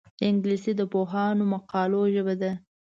انګلیسي د پوهانو مقالو ژبه ده